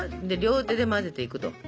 両手で混ぜていくと。